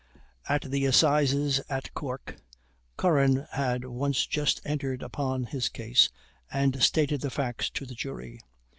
At the assizes at Cork, Curran had once just entered upon his case, and stated the facts to the jury.